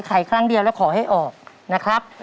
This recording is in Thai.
ครั้งเดียวแล้วขอให้ออกนะครับ